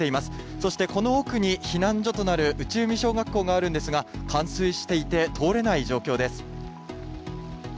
そしてこの奥に避難所となる内海小学校があるんですが、冠水していて、通れない状況です。